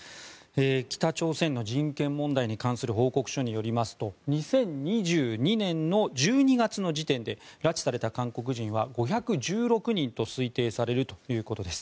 北朝鮮の人権問題に関する報告書によりますと２０２２年の１２月の時点で拉致された韓国人は５１６人と推定されるということです。